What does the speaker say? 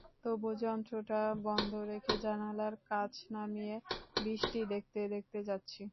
তবু যন্ত্রটা বন্ধ রেখে জানালার কাচ নামিয়ে বৃষ্টি দেখতে দেখতে যাচ্ছি।